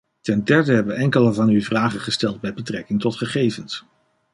Ten derde hebben enkelen van u vragen gesteld met betrekking tot gegevens.